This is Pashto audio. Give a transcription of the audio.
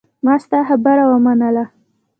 ما ستا خبره ومنله.